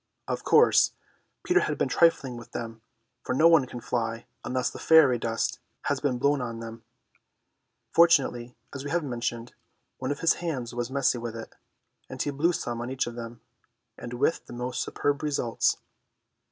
Of course Peter had been trifling with them, for no one can fly unless the fairy dust has been blown on him. Fortunately, as we have mentioned, one of his hands was messy with it, and he blew some on each of them, with the most superb results.